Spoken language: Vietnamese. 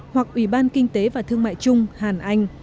hoặc ủy ban kinh tế và thương mại trung hàn anh